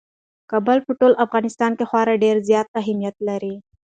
کابل په ټول افغانستان کې خورا ډېر زیات اهمیت لري.